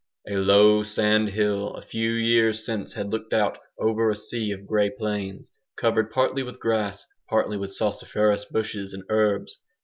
A low sand hill a few years since had looked out over a sea of grey plains, covered partly with grass, partly with salsiferous bushes and herbs.